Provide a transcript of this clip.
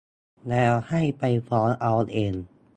แล้วให้ไปฟ้องเอาเอง